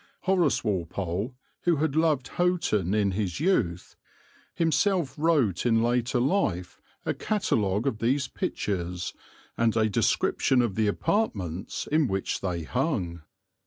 Horace Walpole, who had loved Houghton in his youth, himself wrote in after life a catalogue of these pictures and a description of the apartments in which they hung.